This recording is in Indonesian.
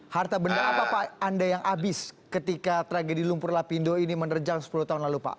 harta benda apa pak anda yang habis ketika tragedi lumpur lapindo ini menerjang sepuluh tahun lalu pak